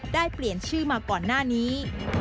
ได้เปลี่ยนชื่อมาก่อนหน้านี้